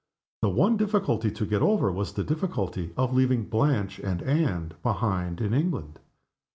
The one difficulty to get over was the difficulty of leaving Blanche and Anne behind in England.